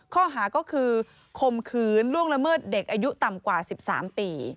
ข้อหาก็คือคมคืนล่วงละเมิดเด็กอายุต่ำกว่า๑๓ปี